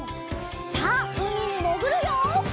さあうみにもぐるよ！